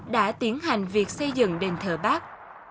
đã tiến hành việc xây dựng đền thờ bác